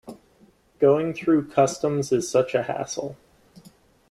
Going through customs is such a hassle.